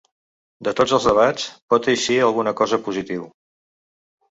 “De tots els debats pot eixir alguna cosa positiu”.